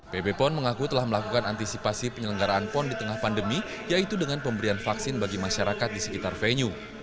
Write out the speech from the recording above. pb pon mengaku telah melakukan antisipasi penyelenggaraan pon di tengah pandemi yaitu dengan pemberian vaksin bagi masyarakat di sekitar venue